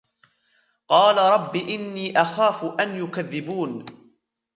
قَالَ رَبِّ إِنِّي أَخَافُ أَنْ يُكَذِّبُونِ